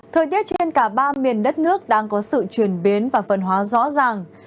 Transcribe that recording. thời tiết trên cả ba miền đất nước đang có sự chuyển biến và phân hóa rõ ràng